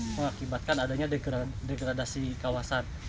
mengakibatkan adanya degradasi kawasan